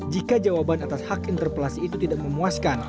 jika jawaban atas hak interpelasi ini tidak diperlukan